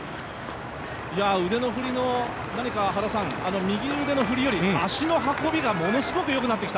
腕の振りの、右腕の振りより足の運びがものすごくよくなってきた。